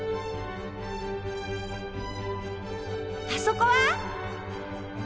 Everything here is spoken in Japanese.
あそこは？